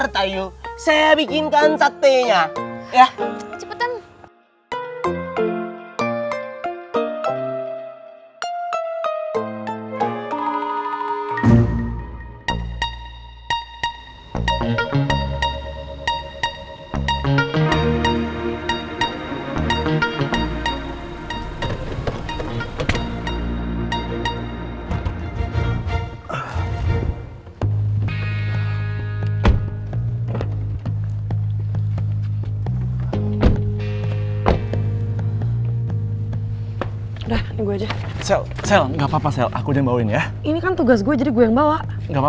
kok malah bengong sih